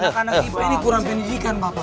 karena ini kurang pendidikan bapak